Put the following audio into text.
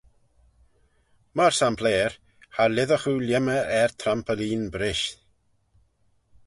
Myr sampleyr, cha lhisagh oo lhiemmey er trampoline brisht.